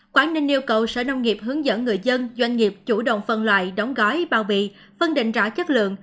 quảng ninh yêu cầu sở nông nghiệp hướng dẫn người dân doanh nghiệp chủ động phân loại đóng gói bao bì phân định rõ chất lượng